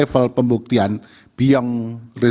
aus ini memiliki transaksi terbaru